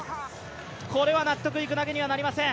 これは納得いく投げにはなりません。